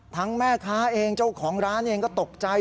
แม่ค้าเองเจ้าของร้านเองก็ตกใจ